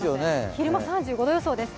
昼間３５度予想です。